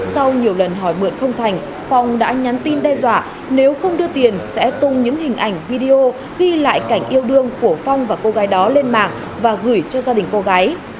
sau nhiều lần hỏi mượn không thành phong đã nhắn tin đe dọa nếu không đưa tiền sẽ tung những hình ảnh video ghi lại cảnh yêu đương của phong và cô gái đó lên mạng và gửi cho gia đình cô gái